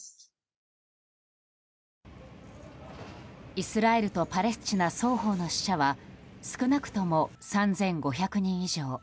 イスラエルとパレスチナ双方の死者は少なくとも３５００人以上。